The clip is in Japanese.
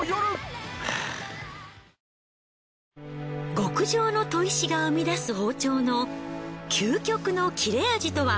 極上の砥石が生み出す包丁の究極の切れ味とは？